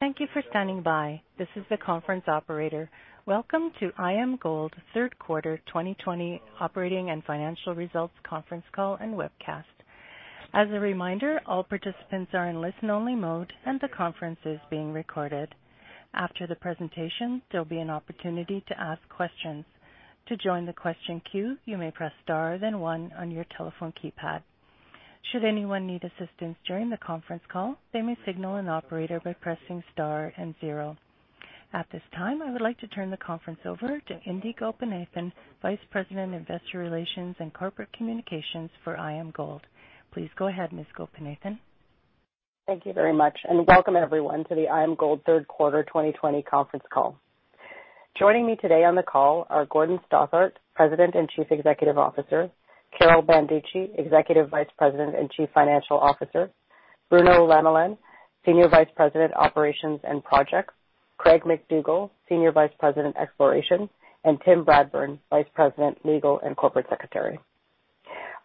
Thank you for standing by. This is the conference operator. Welcome to IAMGOLD third quarter 2020 operating and financial results conference call and webcast. As a reminder, all participants are in listen-only mode and the conference is being recorded. After the presentation, there'll be an opportunity to ask questions. At this time, I would like to turn the conference over to Indi Gopinathan, Vice President, Investor Relations and Corporate Communications for IAMGOLD. Please go ahead, Ms. Gopinathan. Thank you very much, and welcome everyone to the IAMGOLD third quarter 2020 conference call. Joining me today on the call are Gordon Stothart, President and Chief Executive Officer, Carol Banducci, Executive Vice President and Chief Financial Officer, Bruno Lemelin, Senior Vice President, Operations and Projects, Craig MacDougall, Senior Vice President, Exploration, and Tim Bradburn, Vice President, Legal and Corporate Secretary.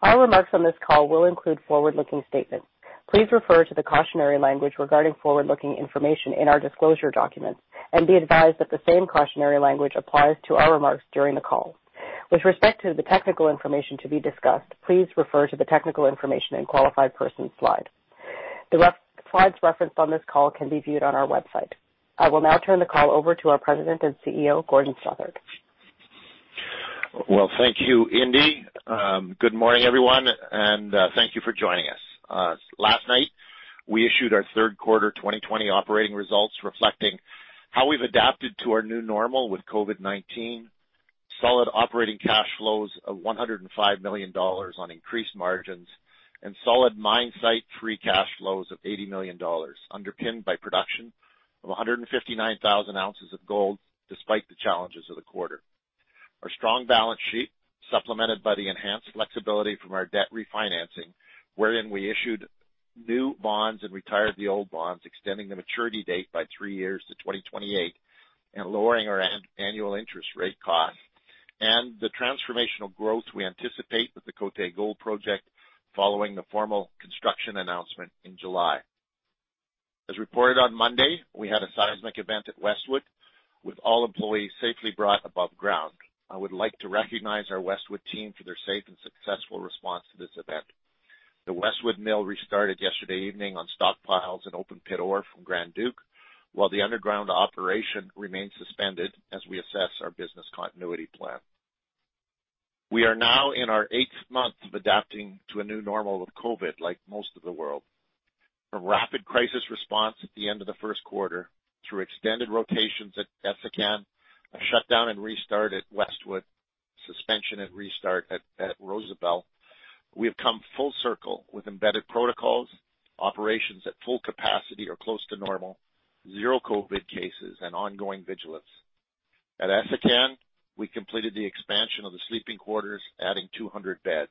All remarks on this call will include forward-looking statements. Please refer to the cautionary language regarding forward-looking information in our disclosure documents, and be advised that the same cautionary language applies to our remarks during the call. With respect to the technical information to be discussed, please refer to the technical information and qualified persons slide. The slides referenced on this call can be viewed on our website. I will now turn the call over to our President and CEO, Gordon Stothart. Well, thank you, Indi. Good morning, everyone, thank you for joining us. Last night, we issued our third quarter 2020 operating results reflecting how we've adapted to our new normal with COVID-19, solid operating cash flows of $105 million on increased margins, and solid mine site free cash flows of $80 million, underpinned by production of 159,000 oz of gold despite the challenges of the quarter. Our strong balance sheet, supplemented by the enhanced flexibility from our debt refinancing, wherein we issued new bonds and retired the old bonds, extending the maturity date by three years to 2028 and lowering our annual interest rate cost, and the transformational growth we anticipate with the Côté Gold Project following the formal construction announcement in July. As reported on Monday, we had a seismic event at Westwood, with all employees safely brought above ground. I would like to recognize our Westwood team for their safe and successful response to this event. The Westwood Mill restarted yesterday evening on stockpiles and open-pit ore from Grand Duc, while the underground operation remains suspended as we assess our business continuity plan. We are now in our eighth month of adapting to a new normal with COVID-19, like most of the world. From rapid crisis response at the end of the first quarter through extended rotations at Essakane, a shutdown and restart at Westwood, suspension and restart at Rosebel, we have come full circle with embedded protocols, operations at full capacity or close to normal, zero COVID-19 cases, and ongoing vigilance. At Essakane, we completed the expansion of the sleeping quarters, adding 200 beds.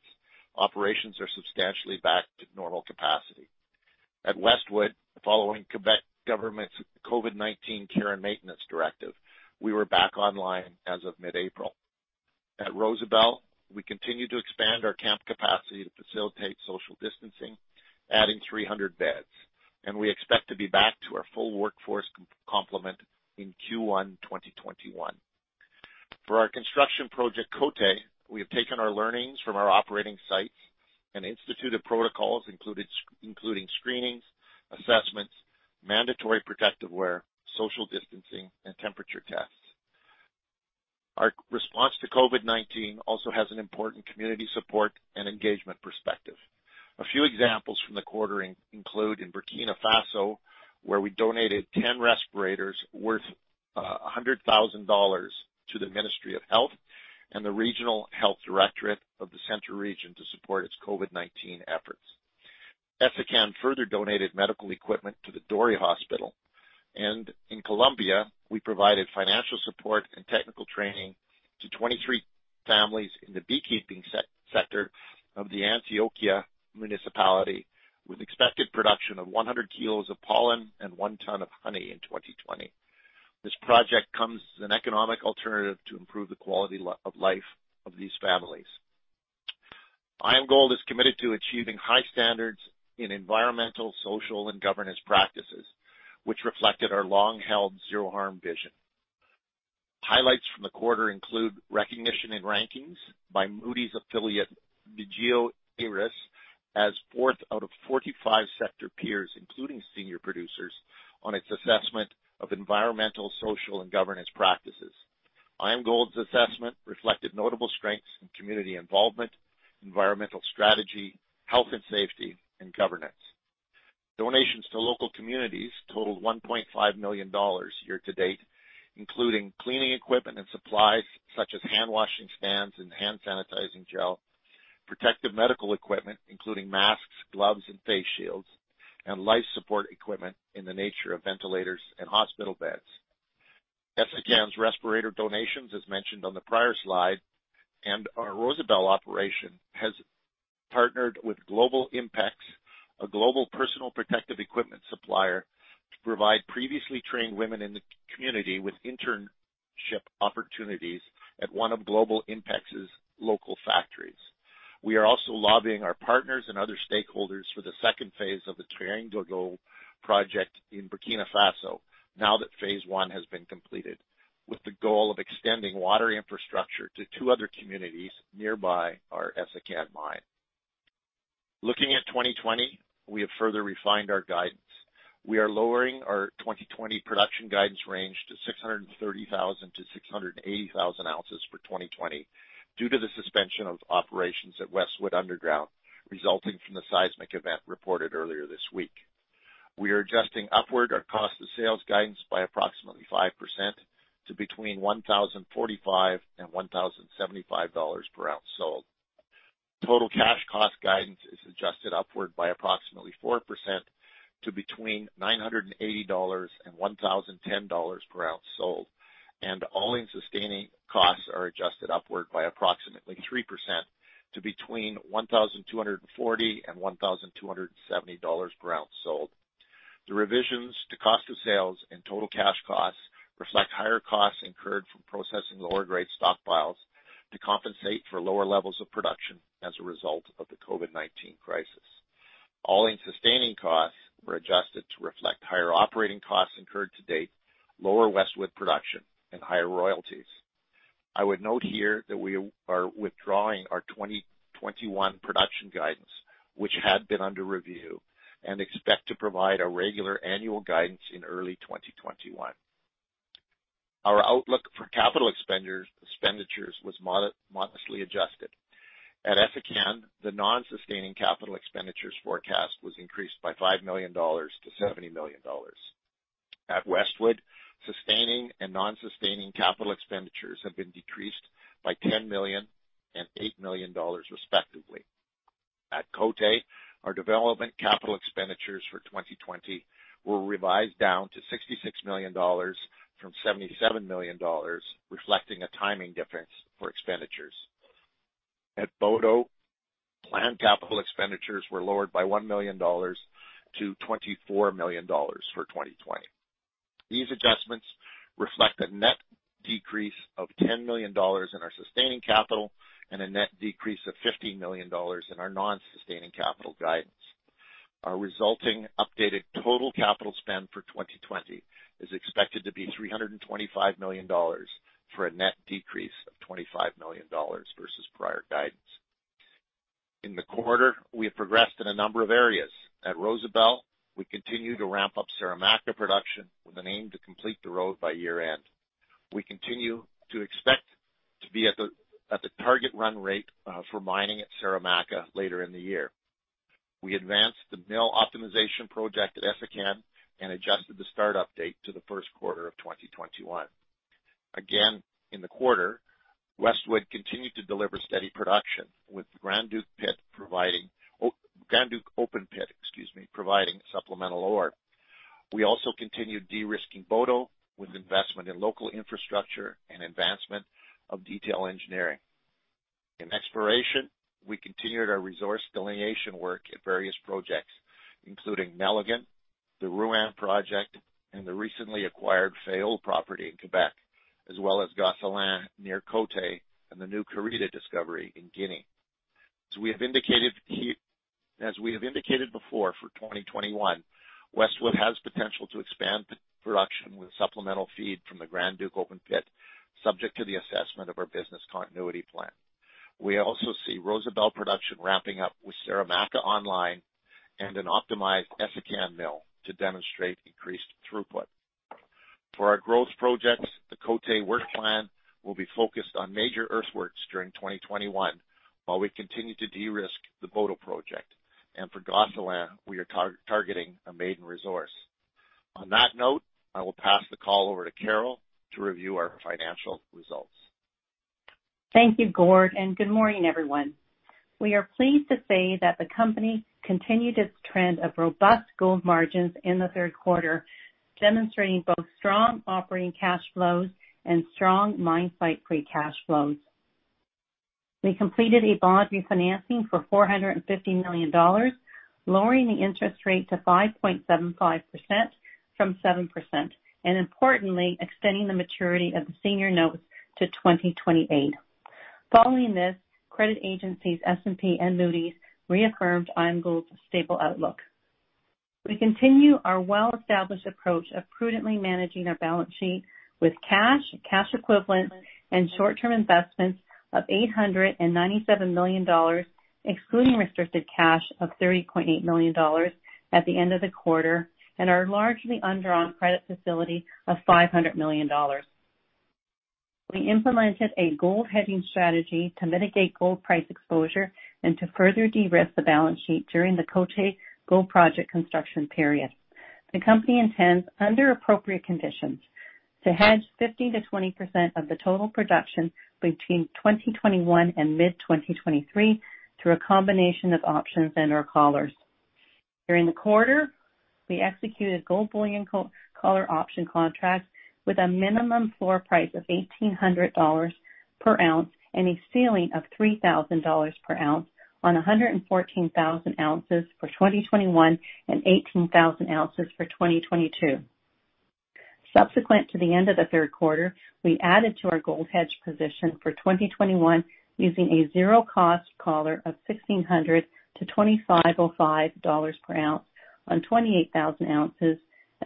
Operations are substantially back to normal capacity. At Westwood, following Quebec government's COVID-19 care and maintenance directive, we were back online as of mid-April. At Rosebel, we continue to expand our camp capacity to facilitate social distancing, adding 300 beds, and we expect to be back to our full workforce complement in Q1 2021. For our construction project, Côté, we have taken our learnings from our operating sites and instituted protocols including screenings, assessments, mandatory protective wear, social distancing, and temperature tests. Our response to COVID-19 also has an important community support and engagement perspective. A few examples from the quarter include in Burkina Faso, where we donated 10 respirators worth $100,000 to the Ministry of Health and the Regional Health Directorate of the Centre Region to support its COVID-19 efforts. Essakane further donated medical equipment to the Dori Hospital. In Colombia, we provided financial support and technical training to 23 families in the beekeeping sector of the Antioquia Municipality, with expected production of 100 kilos of pollen and 1 ton of honey in 2020. This project comes as an economic alternative to improve the quality of life of these families. IAMGOLD is committed to achieving high standards in environmental, social, and governance practices, which reflected our long-held zero harm vision. Highlights from the quarter include recognition and rankings by Moody's affiliate, Vigeo Eiris, as fourth out of 45 sector peers, including senior producers, on its assessment of environmental, social, and governance practices. IAMGOLD's assessment reflected notable strengths in community involvement, environmental strategy, health and safety, and governance. Donations to local communities totaled $1.5 million year-to-date, including cleaning equipment and supplies such as handwashing stands and hand sanitizing gel, protective medical equipment, including masks, gloves, and face shields, and life support equipment in the nature of ventilators and hospital beds. Essakane's respirator donations, as mentioned on the prior slide, and our Rosebel operation has partnered with Global Impex, a global personal protective equipment supplier, to provide previously trained women in the community with internship opportunities at one of Global Impex's local factories. We are also lobbying our partners and other stakeholders for the second phase of the Triangle D'eau project in Burkina Faso now that Phase I has been completed, with the goal of extending water infrastructure to two other communities nearby our Essakane mine. Looking at 2020, we have further refined our guidance. We are lowering our 2020 production guidance range to 630,000-680,000 oz for 2020 due to the suspension of operations at Westwood Underground, resulting from the seismic event reported earlier this week. We are adjusting upward our cost of sales guidance by approximately 5% to between $1,045 and $1,075 per ounce sold. Total cash cost guidance is adjusted upward by approximately 4% to between $980 and $1,010 per ounce sold, and all-in sustaining costs are adjusted upward by approximately 3% to between $1,240 and $1,270 per ounce sold. The revisions to cost of sales and total cash costs reflect higher costs incurred from processing lower grade stockpiles to compensate for lower levels of production as a result of the COVID-19 crisis. All-in sustaining costs were adjusted to reflect higher operating costs incurred to date, lower Westwood production, and higher royalties. I would note here that we are withdrawing our 2021 production guidance, which had been under review, and expect to provide a regular annual guidance in early 2021. Our outlook for capital expenditures was modestly adjusted. At Essakane, the non-sustaining capital expenditures forecast was increased by $5 million to $70 million. At Westwood, sustaining and non-sustaining capital expenditures have been decreased by $10 million and $8 million respectively. At Côté, our development capital expenditures for 2020 were revised down to $66 million from $77 million, reflecting a timing difference for expenditures. At Boto, planned capital expenditures were lowered by $1 million to $24 million for 2020. These adjustments reflect a net decrease of $10 million in our sustaining capital and a net decrease of $15 million in our non-sustaining capital guidance. Our resulting updated total capital spend for 2020 is expected to be $325 million for a net decrease of $25 million versus prior guidance. In the quarter, we have progressed in a number of areas. At Rosebel, we continue to ramp up Saramacca production with an aim to complete the road by year-end. We continue to expect to be at the target run rate for mining at Saramacca later in the year. We advanced the mill optimization project at Essakane and adjusted the start-up date to the first quarter of 2021. Again, in the quarter, Westwood continued to deliver steady production with the Grand Duc open pit providing supplemental ore. We also continued de-risking Boto with investment in local infrastructure and advancement of detail engineering. In exploration, we continued our resource delineation work at various projects, including Nelligan, the Rouyn project, and the recently acquired Fayolle property in Quebec, as well as Gosselin near Côté and the new Karita discovery in Guinea. As we have indicated before, for 2021, Westwood has potential to expand production with supplemental feed from the Grand Duc open pit, subject to the assessment of our business continuity plan. We also see Rosebel production ramping up with Saramacca online and an optimized Essakane mill to demonstrate increased throughput. For our growth projects, the Côté work plan will be focused on major earthworks during 2021 while we continue to de-risk the Boto project. For Gosselin, we are targeting a maiden resource. On that note, I will pass the call over to Carol to review our financial results. Thank you, Gord, and good morning, everyone. We are pleased to say that the company continued its trend of robust gold margins in the third quarter, demonstrating both strong operating cash flows and strong mine site free cash flows. We completed a bond refinancing for $450 million, lowering the interest rate to 5.75% from 7%, and importantly, extending the maturity of the senior notes to 2028. Following this, credit agencies S&P and Moody's reaffirmed IAMGOLD's stable outlook. We continue our well-established approach of prudently managing our balance sheet with cash equivalents, and short-term investments of $897 million, excluding restricted cash of $30.8 million at the end of the quarter, and our largely undrawn credit facility of $500 million. We implemented a gold hedging strategy to mitigate gold price exposure and to further de-risk the balance sheet during the Côté Gold Project construction period. The company intends, under appropriate conditions, to hedge 15%-20% of the total production between 2021 and mid-2023 through a combination of options and/or collars. During the quarter, we executed gold bullion collar option contracts with a minimum floor price of $1,800 per ounce and a ceiling of $3,000 per ounce on 114,000 oz for 2021 and 18,000 oz for 2022. Subsequent to the end of the third quarter, we added to our gold hedge position for 2021 using a zero-cost collar of $1,600-$2,505 per ounce on 28,000 oz,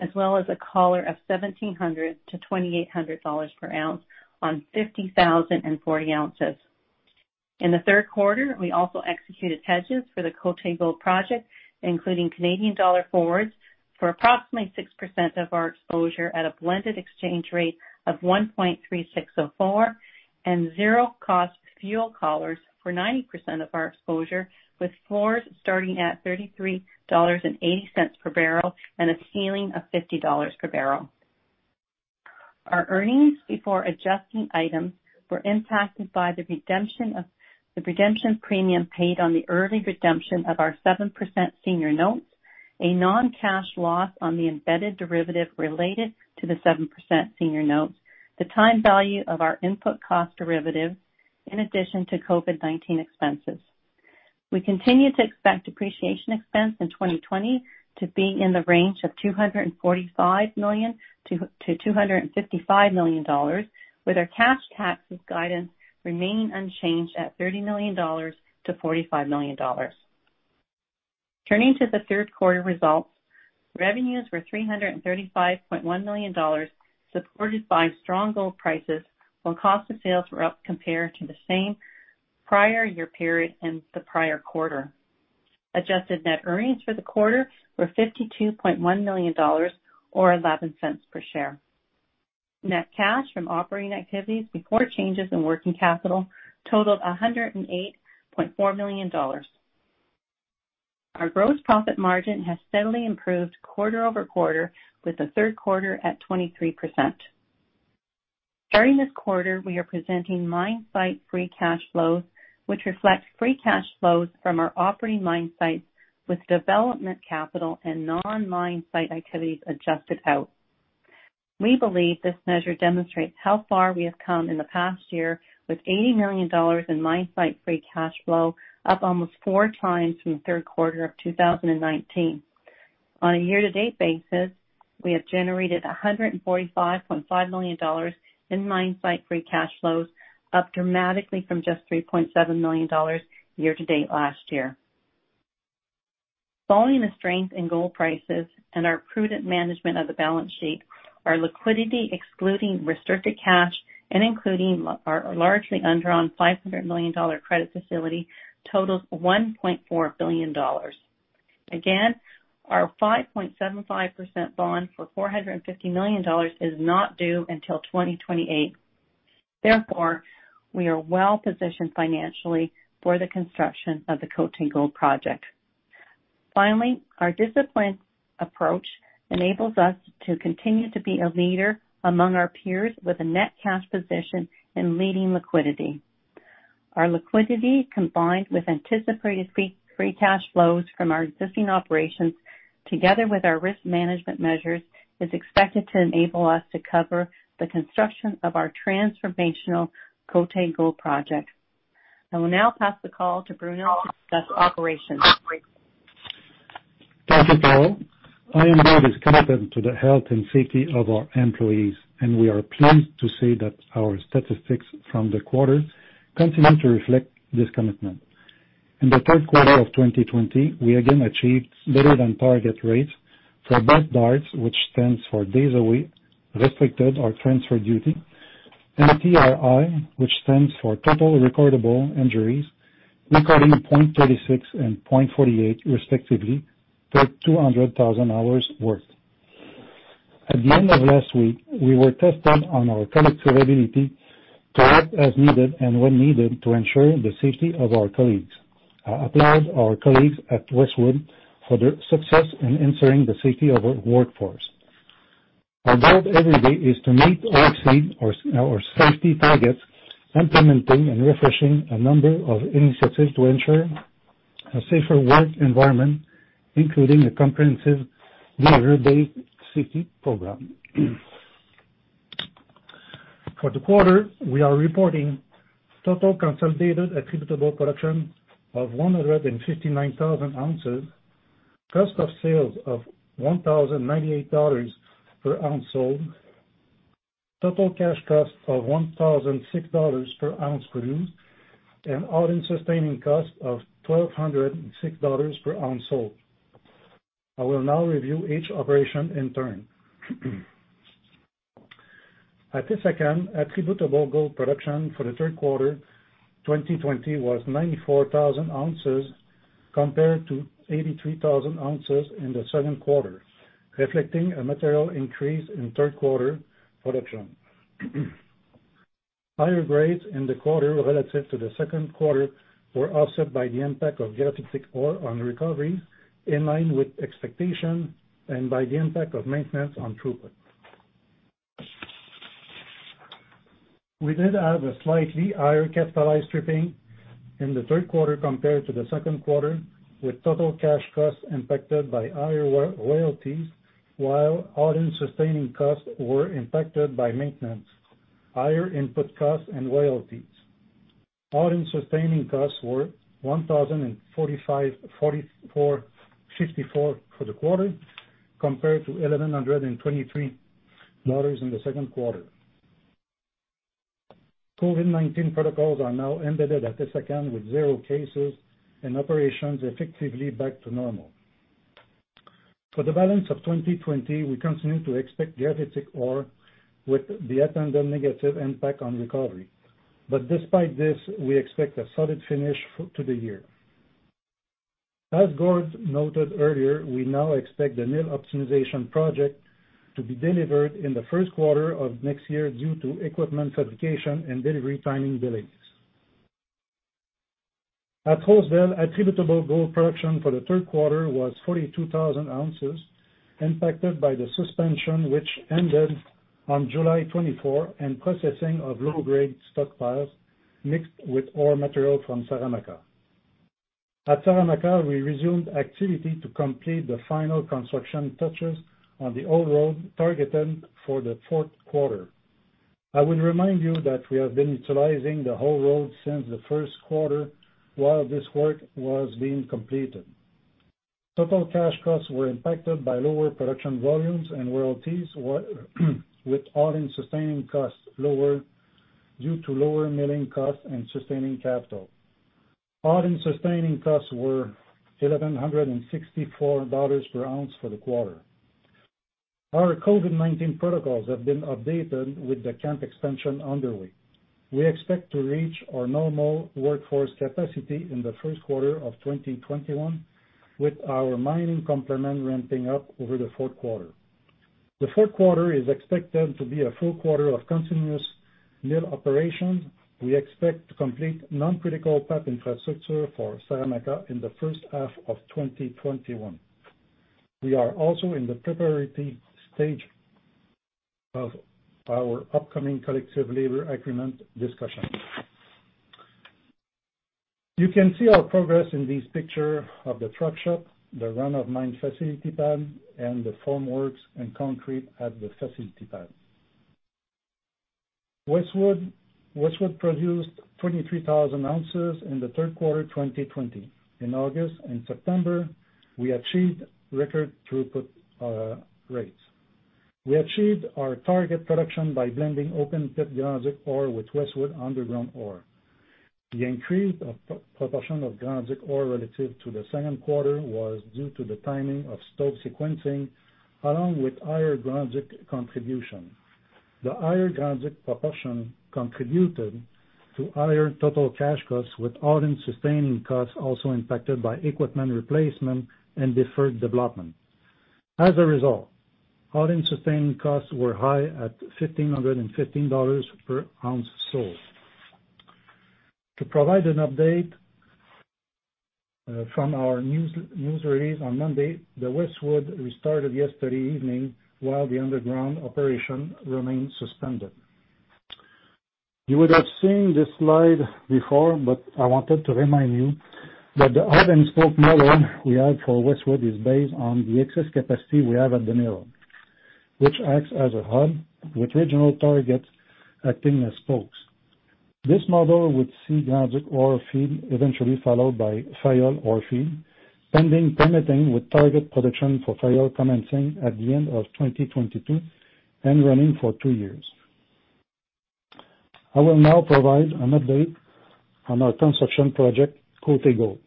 as well as a collar of $1,700-$2,800 per ounce on 50,040 oz. In the third quarter, we also executed hedges for the Côté Gold Project, including Canadian dollar forwards for approximately 6% of our exposure at a blended exchange rate of 1.3604 and zero-cost fuel collars for 90% of our exposure, with floors starting at $33.80 per barrel and a ceiling of $50 per barrel. Our earnings before adjusting items were impacted by the redemption premium paid on the early redemption of our 7% senior notes, a non-cash loss on the embedded derivative related to the 7% senior notes, the time value of our input cost derivative, in addition to COVID-19 expenses. We continue to expect depreciation expense in 2020 to be in the range of $245 million-$255 million, with our cash taxes guidance remaining unchanged at $30 million-$45 million. Turning to the third quarter results, revenues were $335.1 million, supported by strong gold prices, while cost of sales were up compared to the same prior year period and the prior quarter. Adjusted net earnings for the quarter were $52.1 million, or $0.11 per share. Net cash from operating activities before changes in working capital totaled $108.4 million. Our gross profit margin has steadily improved quarter-over-quarter, with the third quarter at 23%. Starting this quarter, we are presenting mine site free cash flows, which reflect free cash flows from our operating mine sites, with development capital and non-mine site activities adjusted out. We believe this measure demonstrates how far we have come in the past year, with $80 million in mine site free cash flow, up almost 4x from the third quarter of 2019. On a year-to-date basis, we have generated $145.5 million in mine site free cash flows, up dramatically from just $3.7 million year to date last year. Following the strength in gold prices and our prudent management of the balance sheet, our liquidity, excluding restricted cash and including our largely undrawn $500 million credit facility, totals $1.4 billion. Again, our 5.75% bond for $450 million is not due until 2028. We are well-positioned financially for the construction of the Côté Gold Project. Finally, our disciplined approach enables us to continue to be a leader among our peers with a net cash position and leading liquidity. Our liquidity, combined with anticipated free cash flows from our existing operations together with our risk management measures, is expected to enable us to cover the construction of our transformational Côté Gold Project. I will now pass the call to Bruno to discuss operations. Thank you, Carol. IAMGOLD is committed to the health and safety of our employees, we are pleased to say that our statistics from the quarter continue to reflect this commitment. In the third quarter of 2020, we again achieved better-than-target rates for both DART, which stands for Days Away, Restricted or Transferred Duty, and TRI, which stands for Total Recordable Injuries, recording 0.36 and 0.48, respectively, per 200,000 hours worked. At the end of last week, we were tested on our collectivity to act as needed and when needed to ensure the safety of our colleagues. I applaud our colleagues at Westwood for their success in ensuring the safety of our workforce. Our goal every day is to meet or exceed our safety targets, implementing and refreshing a number of initiatives to ensure a safer work environment, including a comprehensive New Every Day safety program. For the quarter, we are reporting total consolidated attributable production of 159,000 oz, cost of sales of $1,098 per ounce sold, total cash cost of $1,006 per ounce produced, and all-in sustaining cost of $1,206 per ounce sold. I will now review each operation in turn. At Essakane, attributable gold production for the third quarter 2020 was 94,000 oz compared to 83,000 oz in the second quarter, reflecting a material increase in third quarter production. Higher grades in the quarter relative to the second quarter were offset by the impact of graphitic ore on recovery, in line with expectation, and by the impact of maintenance on throughput. We did have a slightly higher capitalized stripping in the third quarter compared to the second quarter, with total cash costs impacted by higher royalties, while all-in sustaining costs were impacted by maintenance, higher input costs, and royalties. All-in sustaining costs were $1,054 for the quarter, compared to $1,123 in the second quarter. COVID-19 protocols are now embedded at Essakane, with zero cases and operations effectively back to normal. For the balance of 2020, we continue to expect graphitic ore with the attendant negative impact on recovery. Despite this, we expect a solid finish to the year. As Gord noted earlier, we now expect the mill optimization project to be delivered in the first quarter of next year due to equipment fabrication and delivery timing delays. At Rosebel, attributable gold production for the third quarter was 42,000 oz, impacted by the suspension which ended on July 24, and processing of low-grade stockpiles mixed with ore material from Saramacca. At Saramacca, we resumed activity to complete the final construction touches on the haul road targeted for the fourth quarter. I will remind you that we have been utilizing the haul road since the first quarter while this work was being completed. Total cash costs were impacted by lower production volumes and royalties, with all-in sustaining costs lower due to lower milling costs and sustaining capital. All-in sustaining costs were $1,164 per ounce for the quarter. Our COVID-19 protocols have been updated with the camp expansion underway. We expect to reach our normal workforce capacity in the first quarter of 2021, with our mining complement ramping up over the fourth quarter. The fourth quarter is expected to be a full quarter of continuous mill operations. We expect to complete non-critical path infrastructure for Saramacca in the first half of 2021. We are also in the preparatory stage of our upcoming collective labor agreement discussions. You can see our progress in this picture of the truck shop, the run-of-mine facility pad, and the formworks and concrete at the facility pad. Westwood produced 23,000 oz in the third quarter 2020. In August and September, we achieved record throughput rates. We achieved our target production by blending open pit Grand Duc ore with Westwood underground ore. The increased proportion of Grand Duc ore relative to the second quarter was due to the timing of stope sequencing, along with higher Grand Duc contribution. The higher Grand Duc proportion contributed to higher total cash costs, with all-in sustaining costs also impacted by equipment replacement and deferred development. As a result, all-in sustaining costs were high at $1,515 per ounce sold. To provide an update from our news release on Monday, the Westwood restarted yesterday evening, while the underground operation remains suspended. You would have seen this slide before. I wanted to remind you that the hub-and-spoke model we have for Westwood is based on the excess capacity we have at the mill, which acts as a hub, with regional targets acting as spokes. This model would see Grand Duc ore feed eventually followed by Fayolle ore feed, pending permitting with target production for Fayolle commencing at the end of 2022 and running for two years. I will now provide an update on our construction project, Côté Gold.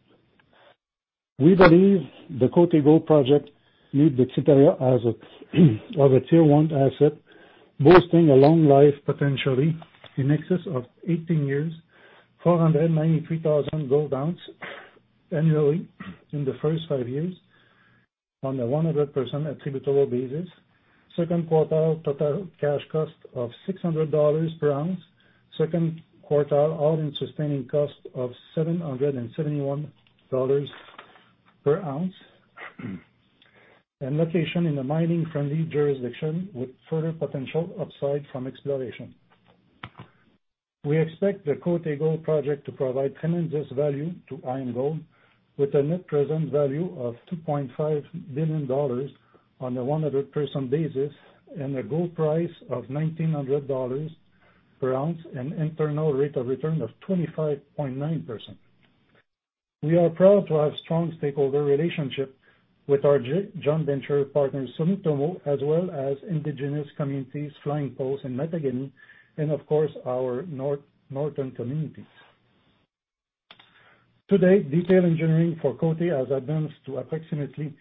We believe the Côté Gold Project meets the criteria of a Tier I asset, boasting a long life potentially in excess of 18 years, 493,000 gold ounces annually in the first five years on a 100% attributable basis. Second quartile total cash cost of $600 per ounce. Second quartile all-in sustaining cost of $771 per ounce. Location in a mining-friendly jurisdiction with further potential upside from exploration. We expect the Côté Gold Project to provide tremendous value to IAMGOLD, with a net present value of $2.5 billion on a 100% basis and a gold price of $1,900 per ounce, an internal rate of return of 25.9%. We are proud to have strong stakeholder relationship with our joint venture partners, Sumitomo, as well as indigenous communities, Flying Post and Mattagami, and of course, our northern communities. To date, detail engineering for Côté has advanced to approximately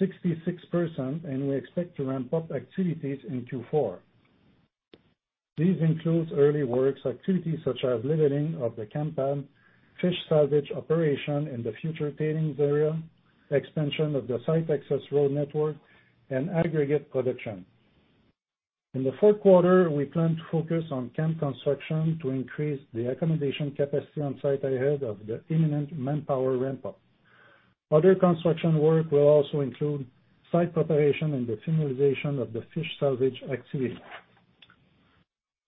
66%, and we expect to ramp up activities in Q4. These include early works activities such as leveling of the camp pad, fish salvage operation in the future tailings area, expansion of the site access road network, and aggregate production. In the fourth quarter, we plan to focus on camp construction to increase the accommodation capacity on site ahead of the imminent manpower ramp up. Other construction work will also include site preparation and the finalization of the fish salvage activity.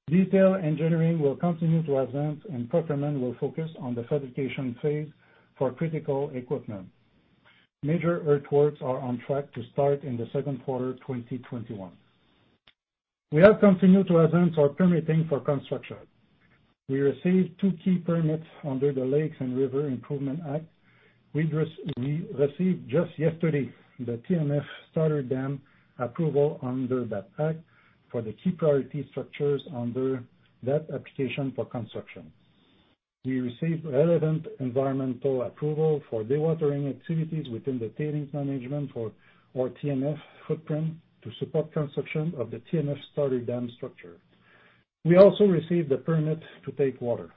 Detail engineering will continue to advance, and procurement will focus on the fabrication phase for critical equipment. Major earthworks are on track to start in the second quarter 2021. We have continued to advance our permitting for construction. We received two key permits under the Lakes and Rivers Improvement Act. We received just yesterday the TMF starter dam approval under that act for the key priority structures under that application for construction. We received relevant environmental approval for dewatering activities within the tailings management for our TMF footprint to support construction of the TMF starter dam structure. We also received the permit to take water.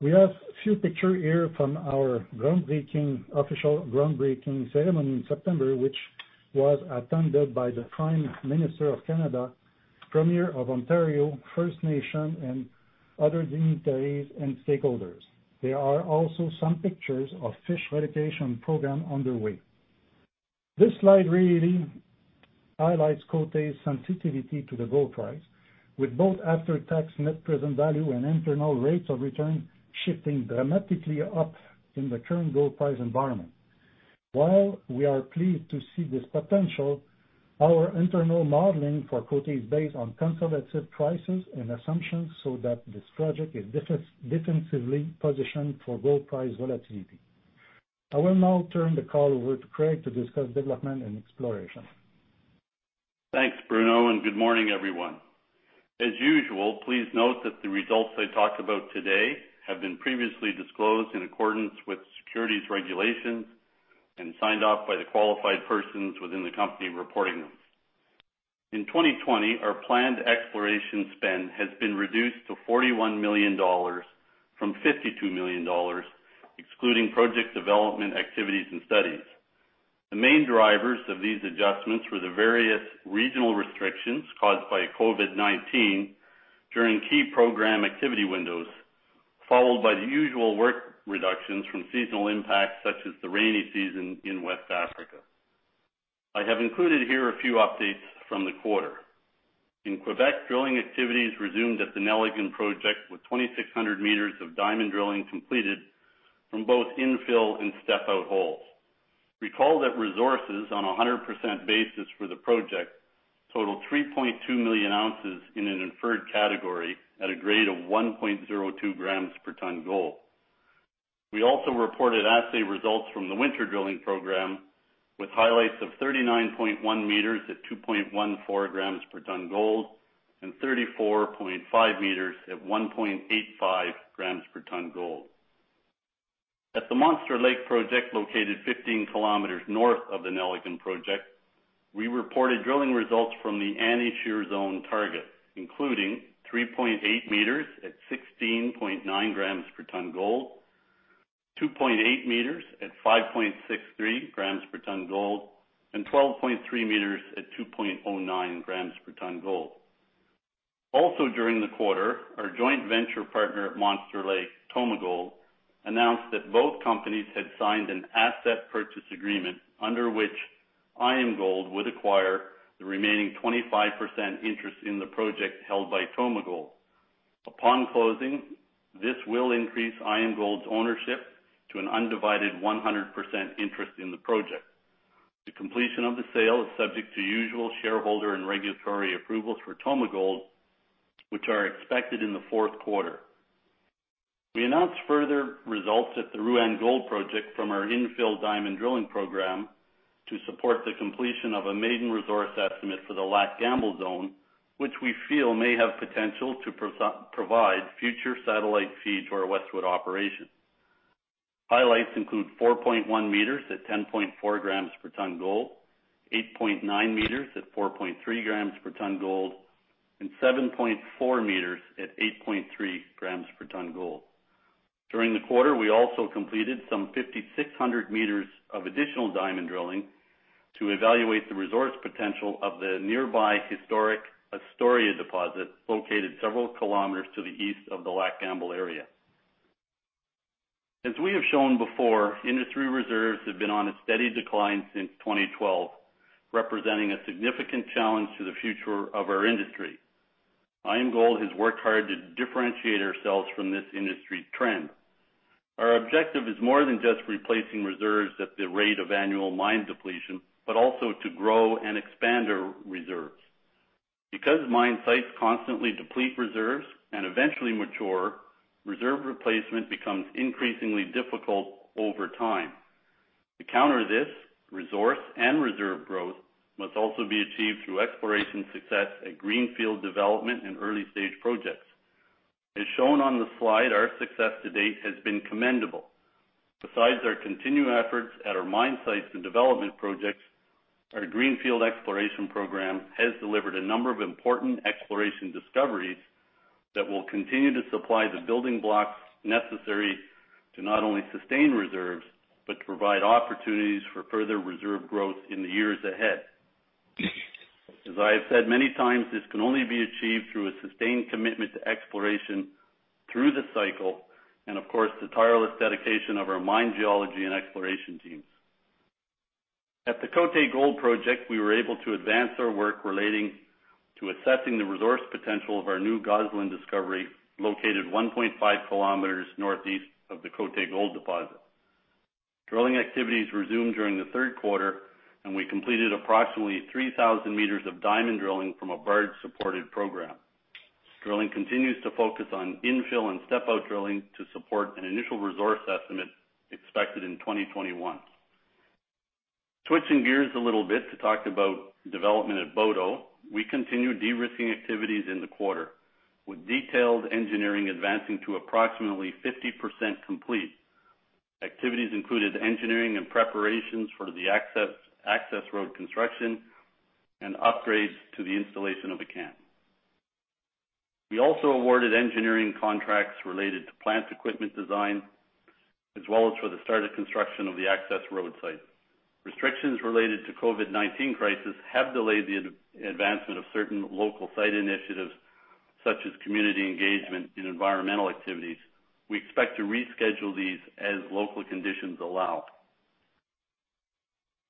We have a few pictures here from our official groundbreaking ceremony in September, which was attended by the Prime Minister of Canada, Premier of Ontario, First Nation, and other invitees and stakeholders. There are also some pictures of fish mitigation program underway. This slide really highlights Côté's sensitivity to the gold price, with both after-tax net present value and internal rates of return shifting dramatically up in the current gold price environment. While we are pleased to see this potential, our internal modeling for Côté is based on conservative prices and assumptions so that this project is defensively positioned for gold price volatility. I will now turn the call over to Craig to discuss development and exploration. Thanks, Bruno. Good morning, everyone. As usual, please note that the results I talk about today have been previously disclosed in accordance with securities regulations and signed off by the qualified persons within the company reporting them. In 2020, our planned exploration spend has been reduced to $41 million from $52 million, excluding project development activities and studies. The main drivers of these adjustments were the various regional restrictions caused by COVID-19 during key program activity windows, followed by the usual work reductions from seasonal impacts such as the rainy season in West Africa. I have included here a few updates from the quarter. In Quebec, drilling activities resumed at the Nelligan project with 2,600 m of diamond drilling completed from both infill and step-out holes. Recall that resources on a 100% basis for the project total 3.2 million ounces in an inferred category at a grade of 1.02 grams per ton gold. We also reported assay results from the winter drilling program with highlights of 39.1 m at 2.14 grams per ton gold and 34.5 m at 1.85 grams per ton gold. At the Monster Lake project, located 15 km north of the Nelligan project, we reported drilling results from the Annie Shear Zone target, including 3.8 m at 16.9 grams per ton gold, 2.8 m at 5.63 grams per ton gold, and 12.3 m at 2.09 grams per ton gold. Also, during the quarter, our joint venture partner at Monster Lake, TomaGold, announced that both companies had signed an asset purchase agreement under which IAMGOLD would acquire the remaining 25% interest in the project held by TomaGold. Upon closing, this will increase IAMGOLD's ownership to an undivided 100% interest in the project. The completion of the sale is subject to usual shareholder and regulatory approvals for TomaGold, which are expected in the fourth quarter. We announced further results at the Rouyn Gold Project from our infill diamond drilling program to support the completion of a maiden resource estimate for the Lac Gamble zone, which we feel may have potential to provide future satellite feed to our Westwood operation. Highlights include 4.1 m at 10.4 grams per ton gold, 8.9 m at 4.3 grams per ton gold, and 7.4 m at 8.3 grams per ton gold. During the quarter, we also completed some 5,600 m of additional diamond drilling to evaluate the resource potential of the nearby historic Astoria deposit, located several kilometers to the east of the Lac Gamble area. As we have shown before, industry reserves have been on a steady decline since 2012, representing a significant challenge to the future of our industry. IAMGOLD has worked hard to differentiate ourselves from this industry trend. Our objective is more than just replacing reserves at the rate of annual mine depletion, but also to grow and expand our reserves. Because mine sites constantly deplete reserves and eventually mature, reserve replacement becomes increasingly difficult over time. To counter this, resource and reserve growth must also be achieved through exploration success at greenfield development and early-stage projects. As shown on the slide, our success to date has been commendable. Besides our continued efforts at our mine sites and development projects, our greenfield exploration program has delivered a number of important exploration discoveries that will continue to supply the building blocks necessary to not only sustain reserves, but to provide opportunities for further reserve growth in the years ahead. As I have said many times, this can only be achieved through a sustained commitment to exploration through the cycle and, of course, the tireless dedication of our mine geology and exploration teams. At the Côté Gold Project, we were able to advance our work relating to assessing the resource potential of our new Gosselin discovery, located 1.5 km northeast of the Côté gold deposit. Drilling activities resumed during the third quarter, and we completed approximately 3,000 m of diamond drilling from a bird-supported program. Drilling continues to focus on infill and step-out drilling to support an initial resource estimate expected in 2021. Switching gears a little bit to talk about development at Boto, we continue de-risking activities in the quarter, with detailed engineering advancing to approximately 50% complete. Activities included engineering and preparations for the access road construction and upgrades to the installation of a camp. We also awarded engineering contracts related to plant equipment design as well as for the start of construction of the access road site. Restrictions related to COVID-19 crisis have delayed the advancement of certain local site initiatives, such as community engagement in environmental activities. We expect to reschedule these as local conditions allow.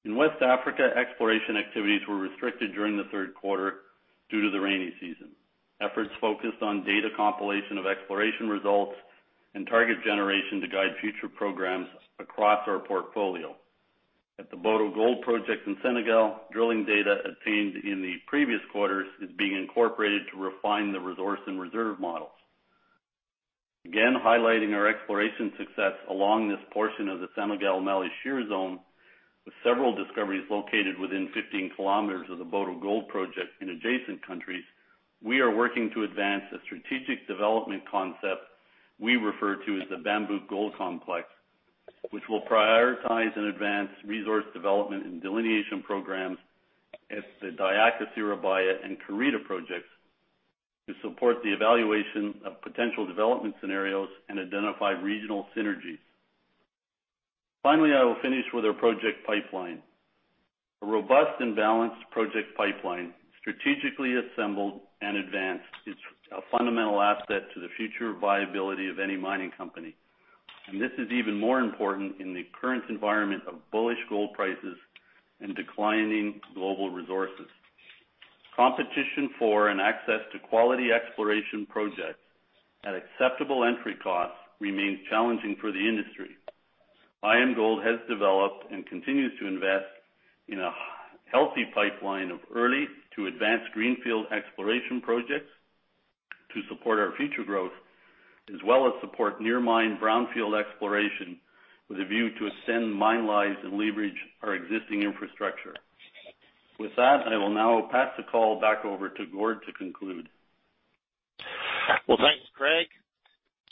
In West Africa, exploration activities were restricted during the third quarter due to the rainy season. Efforts focused on data compilation of exploration results and target generation to guide future programs across our portfolio. At the Boto Gold Project in Senegal, drilling data obtained in the previous quarters is being incorporated to refine the resource and reserve models. Again, highlighting our exploration success along this portion of the Senegal Mali Shear Zone, with several discoveries located within 15 km of the Boto Gold Project in adjacent countries, we are working to advance a strategic development concept we refer to as the Bambouk Gold Complex, which will prioritize and advance resource development and delineation programs at the Diakha-Siribaya and Karita projects to support the evaluation of potential development scenarios and identify regional synergies. Finally, I will finish with our project pipeline. A robust and balanced project pipeline, strategically assembled and advanced, is a fundamental asset to the future viability of any mining company, and this is even more important in the current environment of bullish gold prices and declining global resources. Competition for and access to quality exploration projects at acceptable entry costs remains challenging for the industry. IAMGOLD has developed and continues to invest in a healthy pipeline of early to advanced greenfield exploration projects to support our future growth, as well as support near mine brownfield exploration with a view to extend mine lives and leverage our existing infrastructure. With that, I will now pass the call back over to Gord to conclude. Well, thanks, Craig.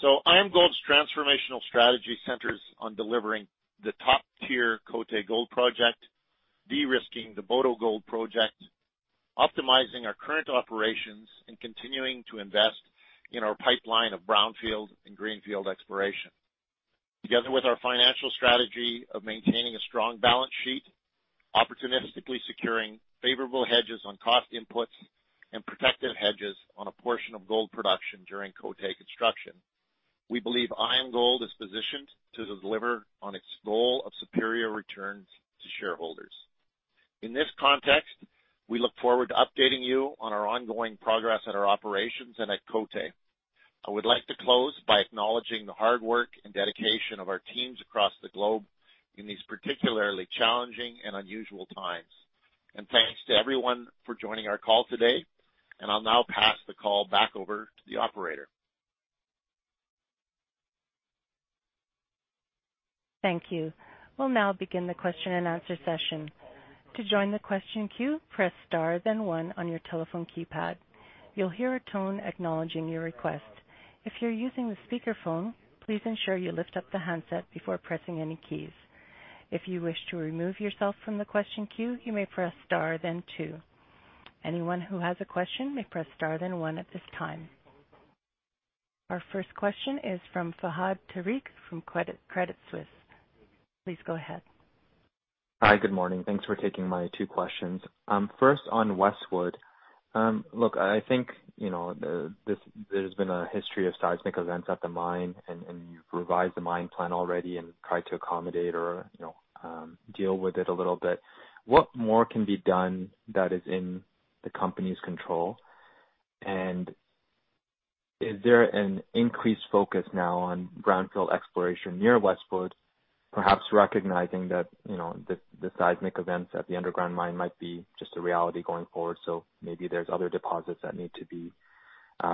IAMGOLD's transformational strategy centers on delivering the top-tier Côté Gold Project, de-risking the Boto Gold Project, optimizing our current operations, and continuing to invest in our pipeline of brownfield and greenfield exploration. Together with our financial strategy of maintaining a strong balance sheet, opportunistically securing favorable hedges on cost inputs, and protective hedges on a portion of gold production during Côté construction, we believe IAMGOLD is positioned to deliver on its goal of superior returns to shareholders. In this context, we look forward to updating you on our ongoing progress at our operations and at Côté. I would like to close by acknowledging the hard work and dedication of our teams across the globe in these particularly challenging and unusual times. Thanks to everyone for joining our call today. I'll now pass the call back over to the operator. Thank you. We'll now begin the question-and-answer session. To join the question queue, press star then one on your telephone keypad. You'll hear a tone acknowledging your request. If you are using a speakerphone, please make sure your handset is off the handset if you press the keys. If you wish to remove yourself from the question queue, you may press star then two. Anyone who has a question, may press star then one at this time. Our first question is from Fahad Tariq from Credit Suisse. Please go ahead. Hi. Good morning. Thanks for taking my two questions. First, on Westwood. Look, I think there's been a history of seismic events at the mine, and you've revised the mine plan already and tried to accommodate or deal with it a little bit. What more can be done that is in the company's control? Is there an increased focus now on brownfield exploration near Westwood, perhaps recognizing that the seismic events at the underground mine might be just a reality going forward, so maybe there's other deposits that need to be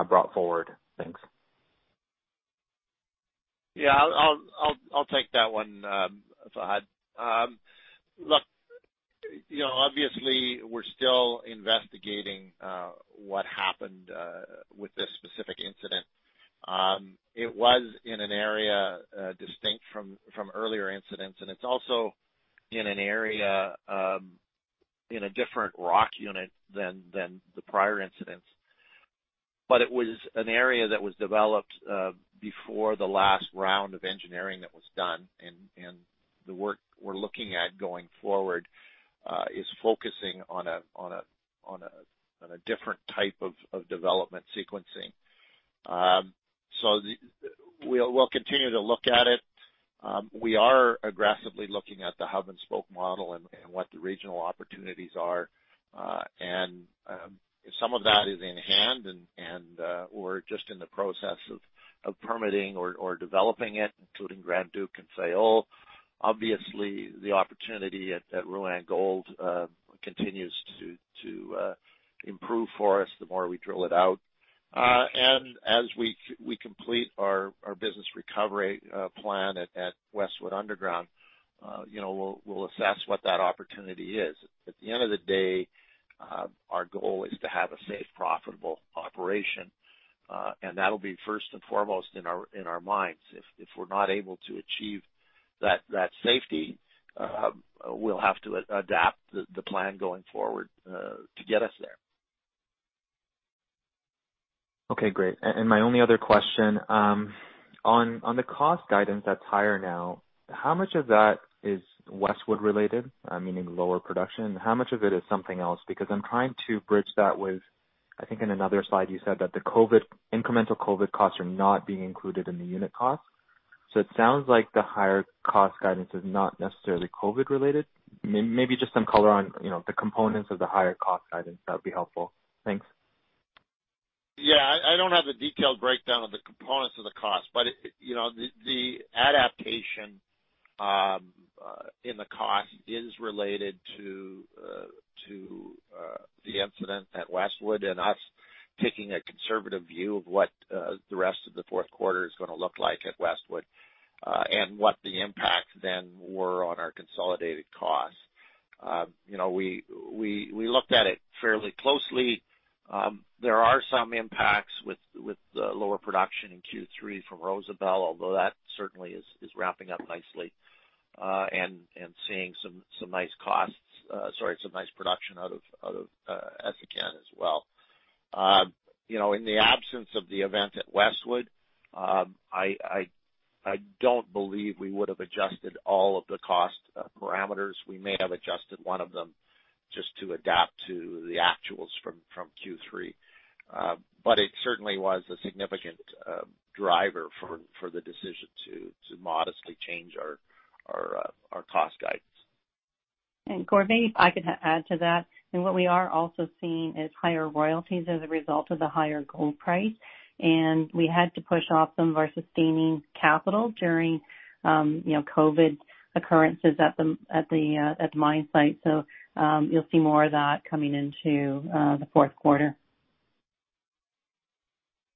brought forward? Thanks. Yeah. I'll take that one, Fahad. Obviously, we're still investigating what happened with this specific incident. It was in an area distinct from earlier incidents. It's also in an area in a different rock unit than the prior incidents. It was an area that was developed before the last round of engineering that was done. The work we're looking at going forward is focusing on a different type of development sequencing. We'll continue to look at it. We are aggressively looking at the hub-and-spoke model. What the regional opportunities are. Some of that is in hand. We're just in the process of permitting or developing it, including Grand Duc and Fayolle. The opportunity at Rouyn Gold continues to improve for us the more we drill it out. As we complete our business recovery plan at Westwood Underground, we'll assess what that opportunity is. At the end of the day, our goal is to have a safe, profitable operation, and that'll be first and foremost in our minds. If we're not able to achieve that safety, we'll have to adapt the plan going forward to get us there. Okay, great. My only other question, on the cost guidance that's higher now, how much of that is Westwood related, meaning lower production? How much of it is something else? I'm trying to bridge that with, I think in another slide you said that the incremental COVID-19 costs are not being included in the unit cost. It sounds like the higher cost guidance is not necessarily COVID-19 related. Maybe just some color on the components of the higher cost guidance. That would be helpful. Thanks. Yeah. I don't have the detailed breakdown of the components of the cost, but the adaptation in the cost is related to the incident at Westwood and us taking a conservative view of what the rest of the fourth quarter is going to look like at Westwood. What the impact then were on our consolidated costs. We looked at it fairly closely. There are some impacts with the lower production in Q3 from Rosebel, although that certainly is ramping up nicely, and seeing some nice costs, sorry, some nice production out of Essakane as well. In the absence of the event at Westwood, I don't believe we would have adjusted all of the cost parameters. We may have adjusted one of them just to adapt to the actuals from Q3. It certainly was a significant driver for the decision to modestly change our cost guidance. Gord, maybe if I could add to that. What we are also seeing is higher royalties as a result of the higher gold price. We had to push off some of our sustaining capital during COVID occurrences at the mine site. You'll see more of that coming into the fourth quarter.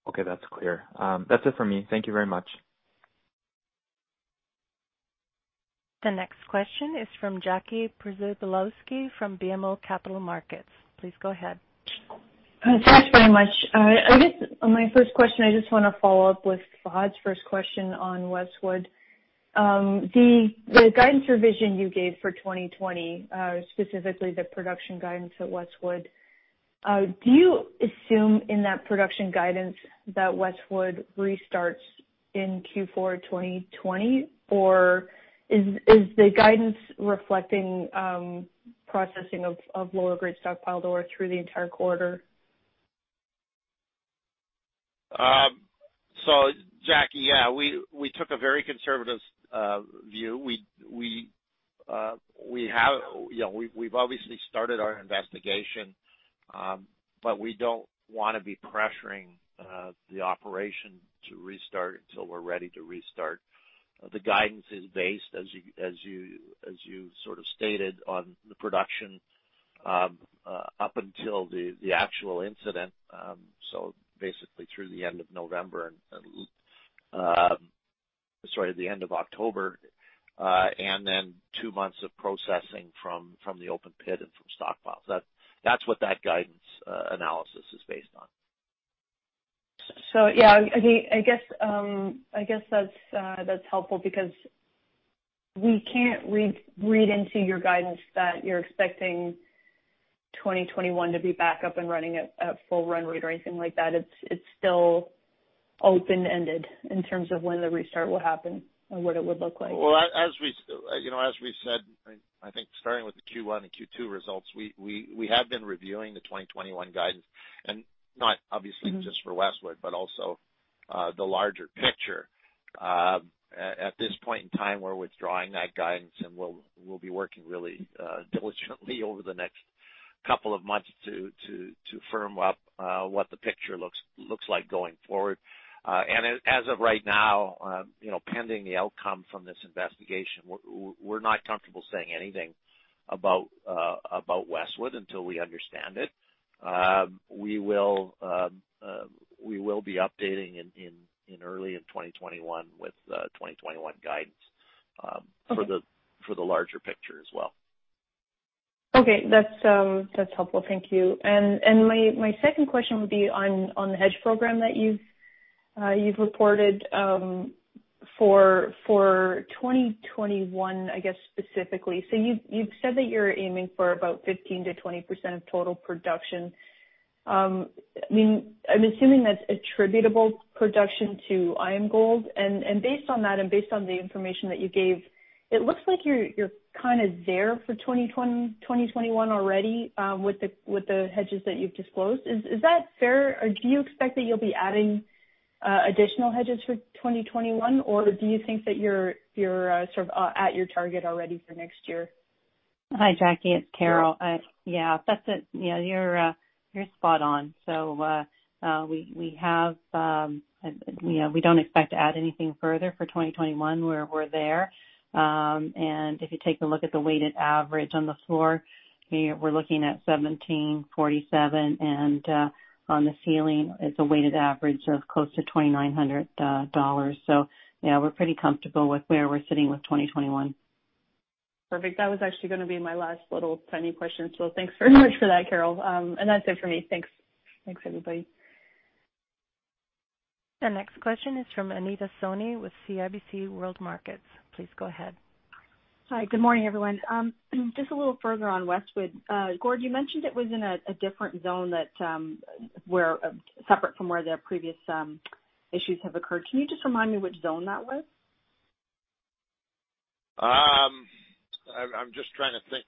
Okay. That's clear. That's it for me. Thank you very much. The next question is from Jackie Przybylowski from BMO Capital Markets. Please go ahead. Thanks very much. I guess on my first question, I just want to follow up with Fahad's first question on Westwood. The guidance revision you gave for 2020, specifically the production guidance at Westwood, do you assume in that production guidance that Westwood restarts in Q4 2020, or is the guidance reflecting processing of lower grade stockpile ore through the entire quarter? Jackie, yeah, we took a very conservative view. We've obviously started our investigation, but we don't want to be pressuring the operation to restart until we're ready to restart. The guidance is based, as you sort of stated, on the production up until the actual incident. Basically through the end of November and, sorry, the end of October, and then two months of processing from the open pit and from stockpiles. That's what that guidance analysis is based on. Yeah. I guess that's helpful because we can't read into your guidance that you're expecting 2021 to be back up and running at full run rate or anything like that. It's still open-ended in terms of when the restart will happen and what it would look like. Well, as we said, I think starting with the Q1 and Q2 results, we have been reviewing the 2021 guidance, and not obviously just for Westwood, but also the larger picture. At this point in time, we're withdrawing that guidance and we'll be working really diligently over the next couple of months to firm up what the picture looks like going forward. As of right now, pending the outcome from this investigation, we're not comfortable saying anything about Westwood until we understand it. We will be updating in early in 2021 with the 2021 guidance- Okay... for the larger picture as well. Okay. That's helpful. Thank you. My second question would be on the hedge program that you've reported for 2021, I guess specifically. You've said that you're aiming for about 15%-20% of total production. I'm assuming that's attributable production to IAMGOLD. Based on that and based on the information that you gave, it looks like you're kind of there for 2021 already, with the hedges that you've disclosed. Is that fair, or do you expect that you'll be adding additional hedges for 2021, or do you think that you're sort of at your target already for next year? Hi, Jackie. It's Carol. Yeah, you're spot on. We don't expect to add anything further for 2021. We're there. If you take a look at the weighted average on the floor, we're looking at $1,747, and on the ceiling, it's a weighted average of close to $2,900. Yeah, we're pretty comfortable with where we're sitting with 2021. Perfect. That was actually going to be my last little tiny question. Thanks very much for that, Carol. That's it for me. Thanks. Thanks, everybody. The next question is from Anita Soni with CIBC World Markets. Please go ahead. Hi. Good morning, everyone. Just a little further on Westwood. Gord, you mentioned it was in a different zone, separate from where the previous issues have occurred. Can you just remind me which zone that was? I'm just trying to think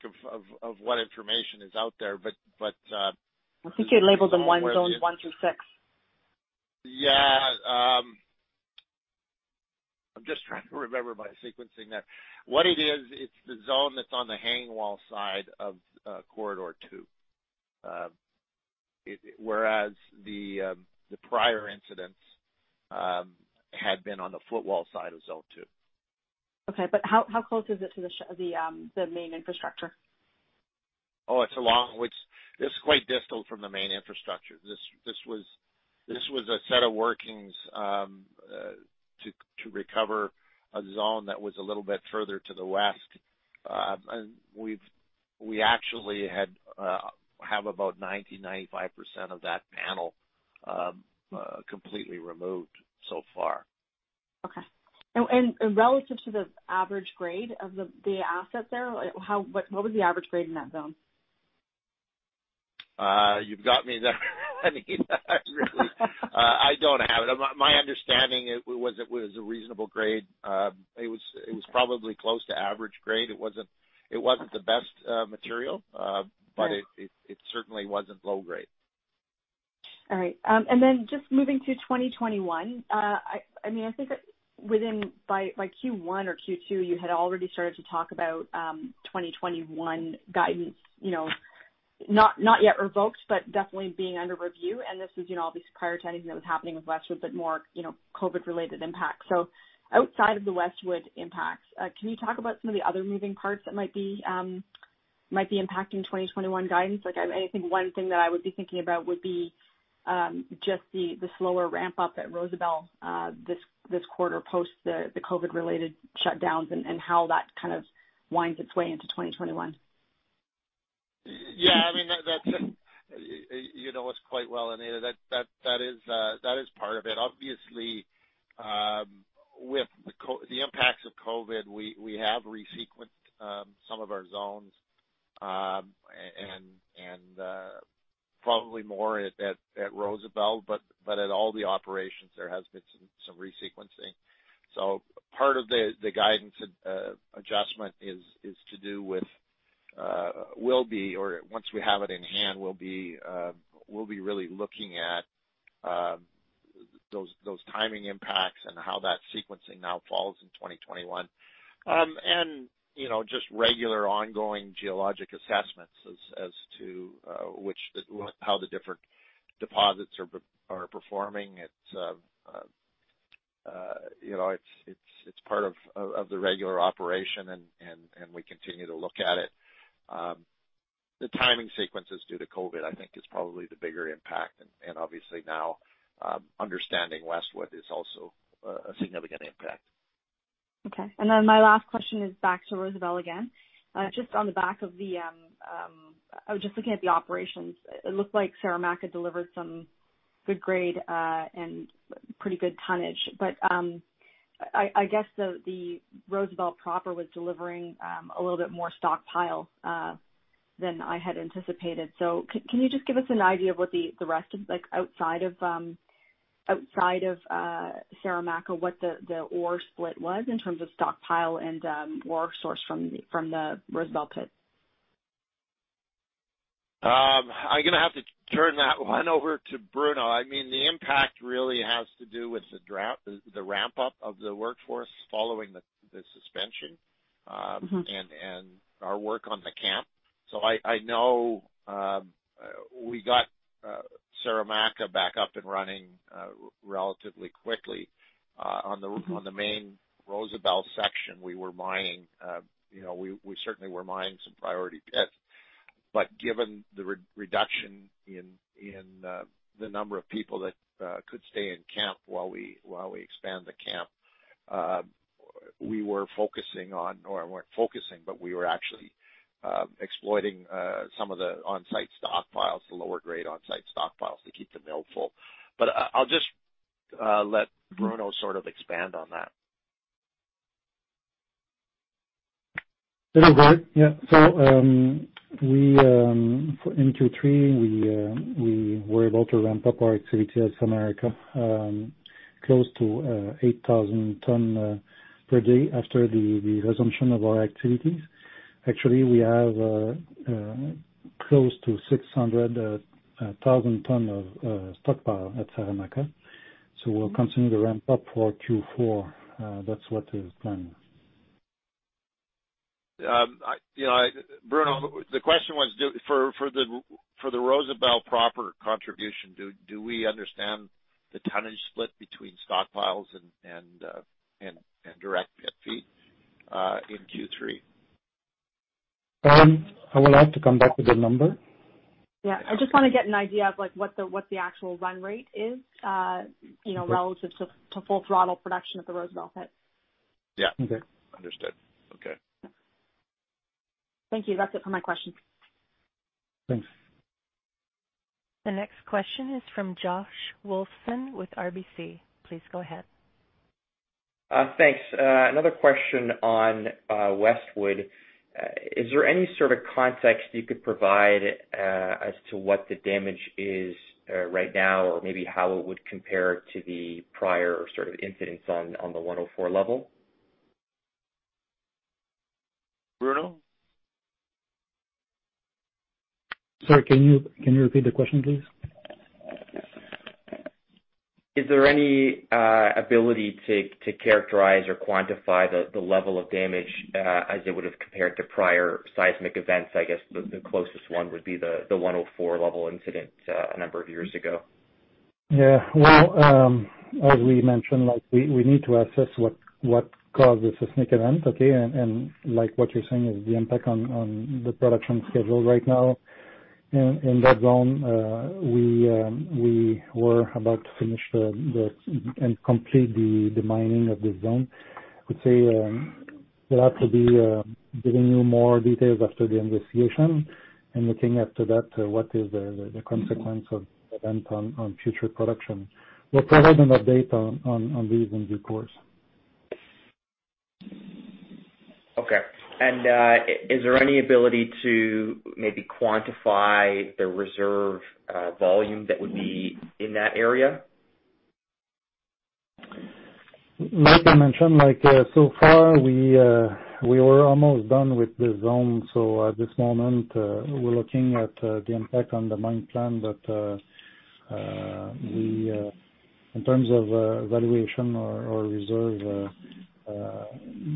of what information is out there. I think you labeled them zones one through six. Yeah. I'm just trying to remember by sequencing that. What it is, it's the zone that's on the hangwall side of corridor two. Whereas the prior incidents had been on the footwall side of zone two. Okay. How close is it to the main infrastructure? Oh, it's quite distal from the main infrastructure. This was a set of workings to recover a zone that was a little bit further to the west. We actually have about 90%, 95% of that panel completely removed so far. Okay. Relative to the average grade of the asset there, what was the average grade in that zone? You've got me there, Anita. Really, I don't have it. My understanding, it was a reasonable grade. It was probably close to average grade. It wasn't the best material. Right it certainly wasn't low grade. All right. just moving to 2021. I think that by Q1 or Q2, you had already started to talk about 2021 guidance, not yet revoked, but definitely being under review. this was obviously prior to anything that was happening with Westwood, but more COVID related impact. outside of the Westwood impact, can you talk about some of the other moving parts that might be impacting 2021 guidance? I think one thing that I would be thinking about would be just the slower ramp up at Rosebel this quarter post the COVID related shutdowns and how that kind of winds its way into 2021. Yeah. You know us quite well, Anita. That is part of it. Obviously, with the impacts of COVID, we have resequenced some of our zones, and probably more at Rosebel, but at all the operations, there has been some resequencing. Part of the guidance adjustment is to do with, or once we have it in hand, we'll be really looking at those timing impacts and how that sequencing now falls in 2021. Just regular ongoing geologic assessments as to how the different deposits are performing. It's part of the regular operation, and we continue to look at it. The timing sequences due to COVID, I think, is probably the bigger impact. Obviously now, understanding Westwood is also a significant impact. Okay. My last question is back to Rosebel again. I was just looking at the operations. It looked like Saramacca delivered some good grade and pretty good tonnage. I guess the Rosebel proper was delivering a little bit more stockpile than I had anticipated. Can you just give us an idea of what the rest, outside of Saramacca, what the ore split was in terms of stockpile and ore sourced from the Rosebel pit? I'm going to have to turn that one over to Bruno. The impact really has to do with the ramp up of the workforce following the suspension and our work on the camp. I know we got Saramacca back up and running relatively quickly. On the main Rosebel section, we certainly were mining some priority pits. given the reduction in the number of people that could stay in camp while we expand the camp, we were actually exploiting some of the on-site stockpiles, the lower grade on-site stockpiles to keep the mill full. I'll just let Bruno sort of expand on that. Sure, Gord. Yeah. In Q3, we were able to ramp up our activity at Saramacca, close to 8,000 ton per day after the resumption of our activities. Actually, we have close to 600,000 ton of stockpile at Saramacca. We'll continue to ramp up for Q4. That's what is planned. Bruno, the question was for the Rosebel proper contribution, do we understand the tonnage split between stockpiles and direct pit feed in Q3? I will have to come back with a number. Yeah. I just want to get an idea of what the actual run rate is, relative to full throttle production at the Rosebel pit. Yeah. Okay. Understood. Okay. Thank you. That's it for my questions. Thanks. The next question is from Josh Wolfson with RBC. Please go ahead. Thanks. Another question on Westwood. Is there any sort of context you could provide as to what the damage is right now, or maybe how it would compare to the prior sort of incidents on the 104 level? Bruno? Sorry, can you repeat the question, please? Is there any ability to characterize or quantify the level of damage, as it would've compared to prior seismic events? I guess the closest one would be the 104 level incident a number of years ago. Yeah. Well, as we mentioned, we need to assess what caused the seismic event, okay? What you're saying is the impact on the production schedule right now in that zone. We were about to finish and complete the mining of this zone. I would say we'll have to be giving you more details after the investigation and looking after that what is the consequence of the event on future production. We'll provide an update on this in due course. Okay. Is there any ability to maybe quantify the reserve volume that would be in that area? Like I mentioned, so far, we were almost done with the zone. At this moment, we're looking at the impact on the mine plan. In terms of valuation or reserve,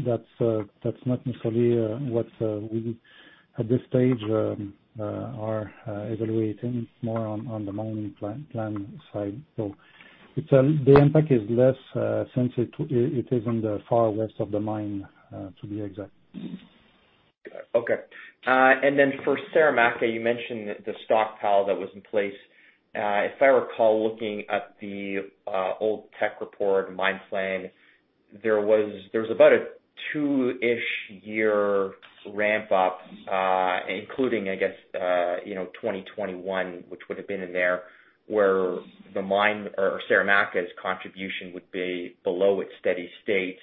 that's not necessarily what we, at this stage, are evaluating, more on the mining plan side. The impact is less since it is on the far west of the mine, to be exact. Okay. For Saramacca, you mentioned the stockpile that was in place. If I recall looking at the old tech report, mine plan, there was about a two-ish year ramp up, including, I guess, 2021, which would've been in there, where Saramacca's contribution would be below its steady state.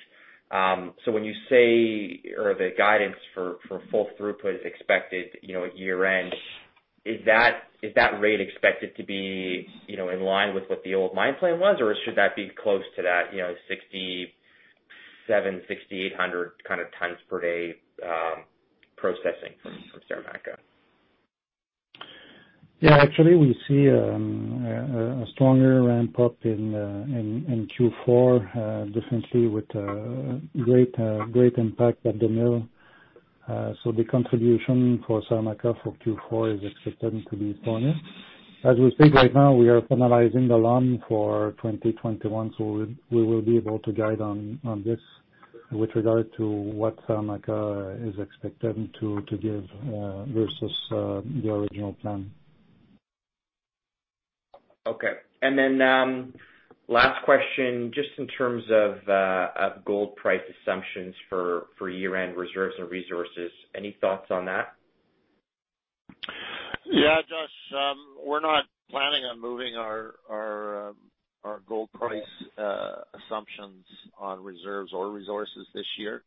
When you say the guidance for full throughput is expected at year end, is that rate expected to be in line with what the old mine plan was, or should that be close to that 6,700, 6,800 kind of tons per day processing from Saramacca? Yeah. Actually, we see a stronger ramp-up in Q4, definitely with great impact at the mill. The contribution for Saramacca for Q4 is expected to be stronger. As we speak right now, we are finalizing the LOM for 2021, so we will be able to guide on this with regard to what Saramacca is expected to give versus the original plan. Okay. Last question, just in terms of gold price assumptions for year-end reserves and resources. Any thoughts on that? Yeah, Josh. We're not planning on moving our gold price assumptions on reserves or resources this year.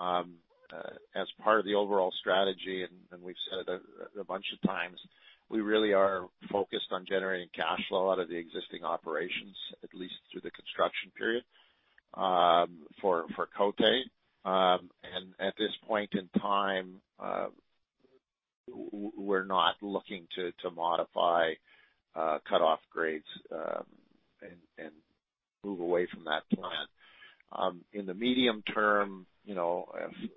As part of the overall strategy, and we've said it a bunch of times, we really are focused on generating cash flow out of the existing operations, at least through the construction period, for Côté. At this point in time, we're not looking to modify cutoff grades and move away from that plan. In the medium-term, if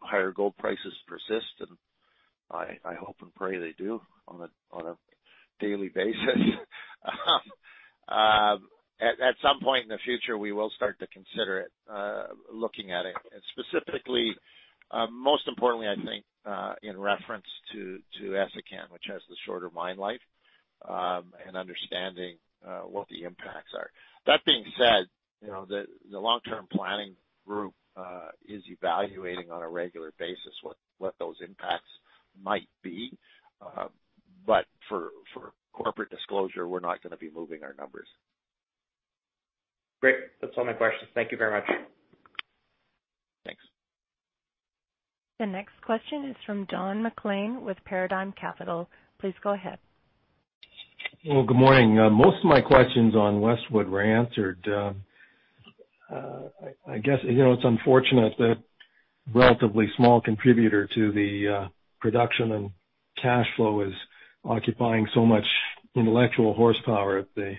higher gold prices persist, and I hope and pray they do on a daily basis, at some point in the future, we will start to consider it, looking at it. Specifically, most importantly, I think, in reference to Essakane, which has the shorter mine life, and understanding what the impacts are. That being said, the long-term planning group is evaluating on a regular basis what those impacts might be. For corporate disclosure, we're not going to be moving our numbers. Great. That's all my questions. Thank you very much. Thanks. The next question is from Don MacLean with Paradigm Capital. Please go ahead. Well, good morning. Most of my questions on Westwood were answered. I guess it's unfortunate that a relatively small contributor to the production and cash flow is occupying so much intellectual horsepower at the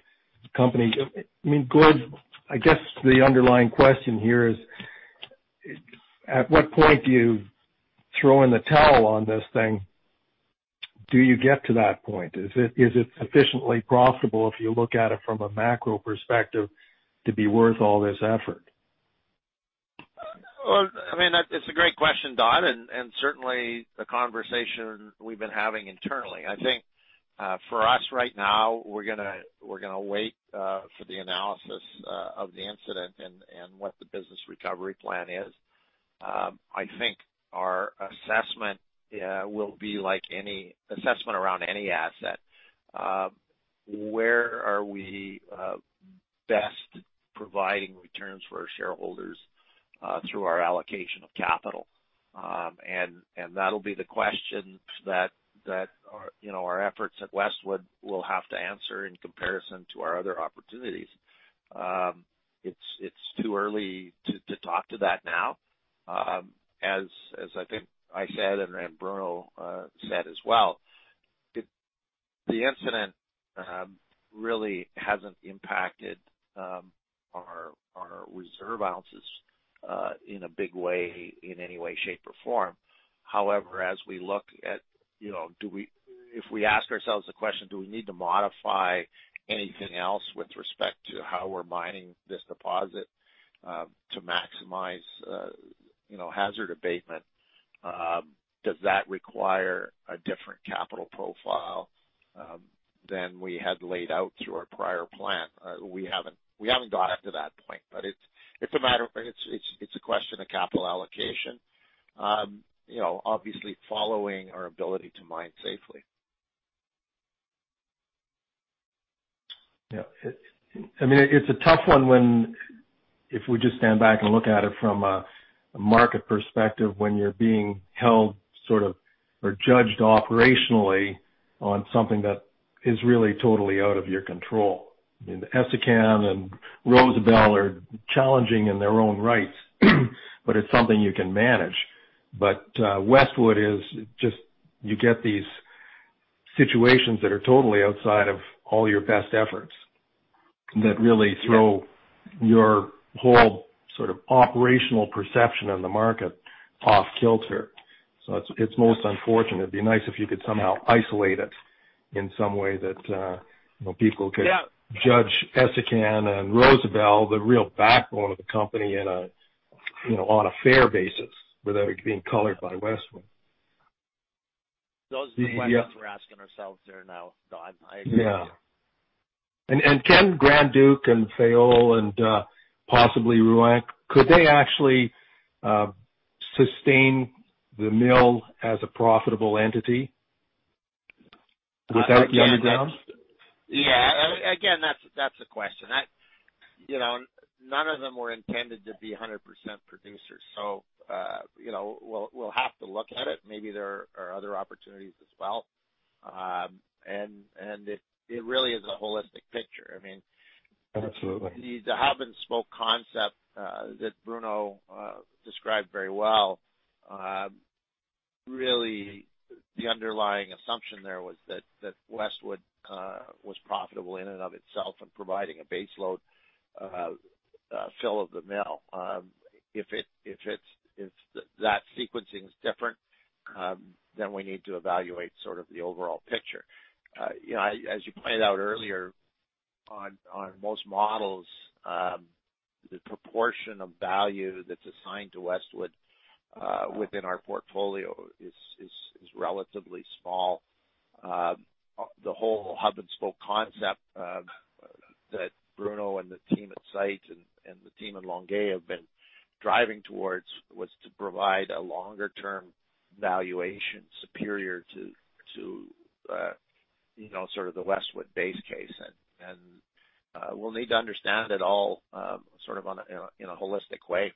company. Gord, I guess the underlying question here is, at what point do you throw in the towel on this thing? Do you get to that point? Is it sufficiently profitable if you look at it from a macro perspective to be worth all this effort? It's a great question, Don, and certainly the conversation we've been having internally. I think, for us right now, we're going to wait for the analysis of the incident and what the business recovery plan is. I think our assessment will be like any assessment around any asset. Where are we best providing returns for our shareholders through our allocation of capital? That'll be the question that our efforts at Westwood will have to answer in comparison to our other opportunities. It's too early to talk to that now. As I think I said, and Bruno said as well, the incident really hasn't impacted our reserve ounces in a big way, in any way, shape, or form. However, as we look at, if we ask ourselves the question, do we need to modify anything else with respect to how we're mining this deposit to maximize hazard abatement? Does that require a different capital profile than we had laid out through our prior plan? We haven't got up to that point, but it's a question of capital allocation. Obviously, following our ability to mine safely. Yeah. It's a tough one if we just stand back and look at it from a market perspective, when you're being held or judged operationally on something that is really totally out of your control. Essakane and Rosebel are challenging in their own rights, but it's something you can manage. Westwood is just, you get these situations that are totally outside of all your best efforts that really throw your whole operational perception of the market off kilter. It's most unfortunate. It'd be nice if you could somehow isolate it in some way that people could- Yeah... just Essakane and Rosebel, the real backbone of the company on a fair basis without it being colored by Westwood. Those are the questions we're asking ourselves there now, Don. I agree. Yeah. can Grand Duc and Fayolle and possibly Rouyn, could they actually sustain the mill as a profitable entity without the underground? Yeah. Again, that's a question. None of them were intended to be 100% producers. We'll have to look at it. Maybe there are other opportunities as well. It really is a holistic picture. Absolutely. The hub-and-spoke concept that Bruno described very well, really the underlying assumption there was that Westwood was profitable in and of itself and providing a base load fill of the mill. If that sequencing is different, then we need to evaluate the overall picture. As you pointed out earlier, on most models, the proportion of value that's assigned to Westwood within our portfolio is relatively small. The whole hub-and-spoke concept that Bruno and the team at site and the team in Longueuil have been driving towards was to provide a longer-term valuation superior to the Westwood base case. We'll need to understand it all in a holistic way.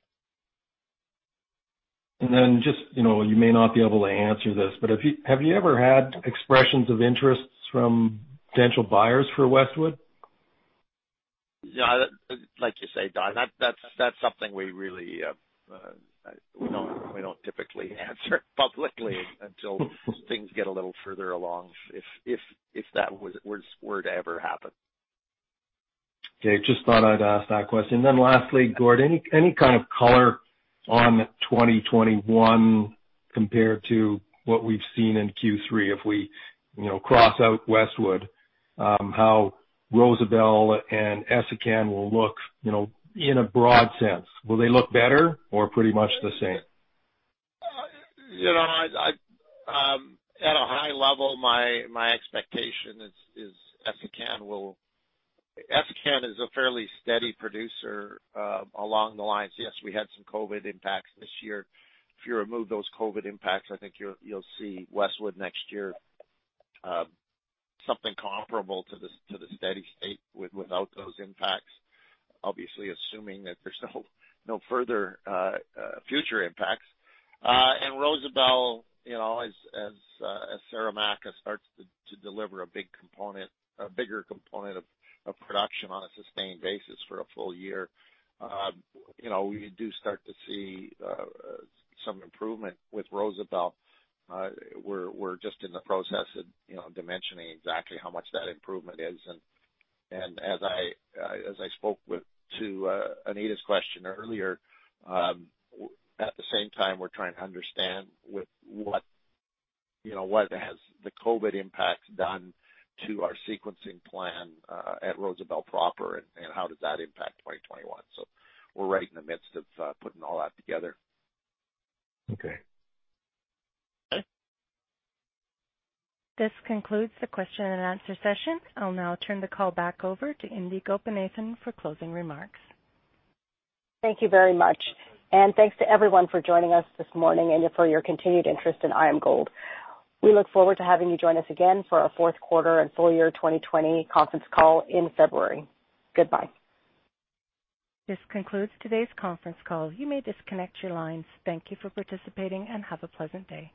You may not be able to answer this, but have you ever had expressions of interests from potential buyers for Westwood? Like you say, Don, that's something we don't typically answer publicly until things get a little further along, if that were to ever happen. Okay. Just thought I'd ask that question. Lastly, Gord, any kind of color on 2021 compared to what we've seen in Q3, if we cross out Westwood, how Rosebel and Essakane will look in a broad sense. Will they look better or pretty much the same? At a high level, my expectation is Essakane is a fairly steady producer along the lines. Yes, we had some COVID impacts this year. If you remove those COVID impacts, I think you'll see Westwood next year, something comparable to the steady-state without those impacts, obviously assuming that there's no further future impacts. Rosebel, as Saramacca starts to deliver a bigger component of production on a sustained basis for a full year, we do start to see some improvement with Rosebel. We're just in the process of dimensioning exactly how much that improvement is. As I spoke to Anita's question earlier, at the same time, we're trying to understand what has the COVID impact done to our sequencing plan at Rosebel proper, and how does that impact 2021? We're right in the midst of putting all that together. Okay. This concludes the question-and-answer session. I'll now turn the call back over to Indi Gopinathan for closing remarks. Thank you very much, and thanks to everyone for joining us this morning and for your continued interest in IAMGOLD. We look forward to having you join us again for our fourth quarter and full year 2020 conference call in February. Goodbye. This concludes today's conference call. You may disconnect your lines. Thank you for participating and have a pleasant day.